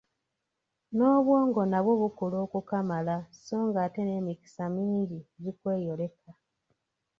N'obwongo nabwo bukula okukamala so ng'ate n'emikisa mingi gikweyoleka.